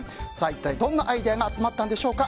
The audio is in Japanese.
一体どんなアイデアが集まったんでしょうか。